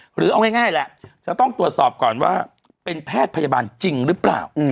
หรือเอาง่ายแหละจะต้องตรวจสอบก่อนว่าเป็นแพทย์พยาบาลจริงหรือเปล่า